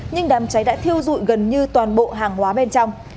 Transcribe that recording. nhưng đám cháy đã thiêu dụi gần như toàn bộ hàng hóa bên trong